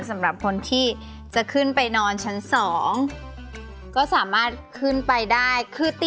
สำหรับคนที่จะขึ้นไปนอนชั้น๒ก็สามารถขึ้นไปได้คือติด